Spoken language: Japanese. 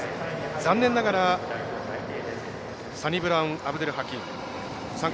残念ながらサニブラウンアブデルハキーム参加